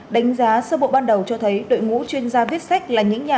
đánh giá sơ bộ ban đầu cho thấy đội ngũ chuyên gia viết sách là những nhà